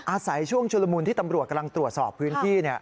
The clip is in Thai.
อาศัยช่วงชุลมุนที่ตำรวจกำลังตรวจสอบพื้นที่